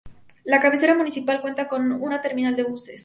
La cabecera municipal cuenta con una terminal de buses.